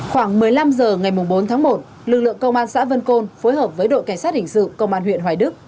khoảng một mươi năm h ngày bốn tháng một lực lượng công an xã vân côn phối hợp với đội cảnh sát hình sự công an huyện hoài đức